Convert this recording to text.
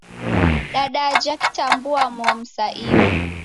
Dadajha kidambua-momu saa iw'i.